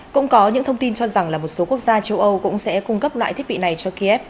cũng có những thông tin cho rằng là một số quốc gia châu âu cũng sẽ cung cấp loại thiết bị này cho kiev